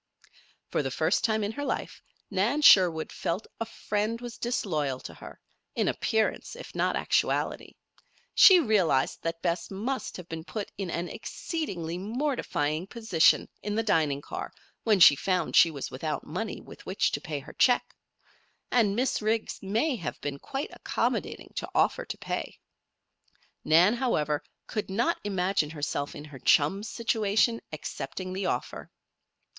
For the first time in her life Nan Sherwood felt that a friend was disloyal to her in appearance, if not actually. She realized that Bess must have been put in an exceedingly mortifying position in the dining car when she found she was without money with which to pay her check; and Miss Riggs may have been quite accommodating to offer to pay. Nan, however, could not imagine herself in her chum's situation, accepting the offer.